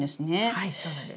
はいそうなんです。